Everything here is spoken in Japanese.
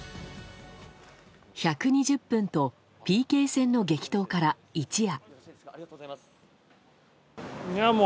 １２０分とＰＫ戦の激闘から一夜。